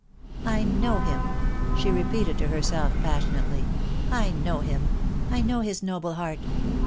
" I know him," she repeated to herself passionately ;" I know him. I know his noble heart.